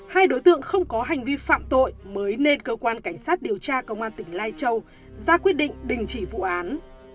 hai đối tượng không có hành vi phạm tội mới nên cơ quan cảnh sát điều tra công an tỉnh lai châu ra quyết định đình chỉ vụ án